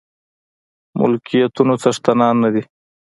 ملکيتونو څښتنان نه دي.